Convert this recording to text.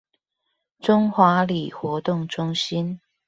中華里活動中心